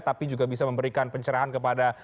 tapi juga bisa memberikan pencerahan kepada